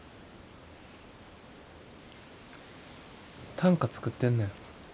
短歌作ってんねん。